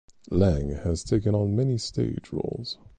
Lang has taken on many stage roles.